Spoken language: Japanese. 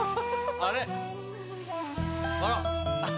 あら？